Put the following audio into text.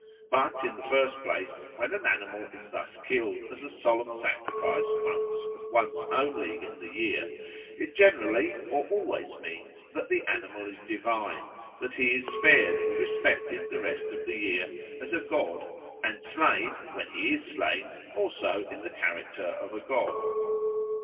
But, in the first place, when an animal is thus killed as a solemn sacrifice once and once only in the year, it generally or always means that the animal is divine, that he is spared and respected the rest of the year as a god and slain, when he is slain, also in the character of a god.